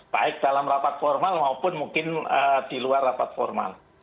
baik dalam rapat formal maupun mungkin di luar rapat formal